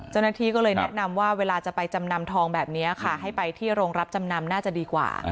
เจ้าหน้าที่ก็เลยแนะนำว่าเวลาจะไปจำนำทองแบบนี้ค่ะให้ไปที่โรงรับจำนำน่าจะดีกว่า